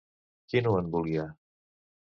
Qui no en volia?